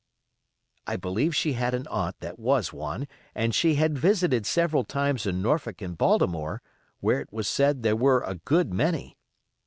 I believe she had an aunt that was one, and she had visited several times in Norfolk and Baltimore, where it was said there were a good many.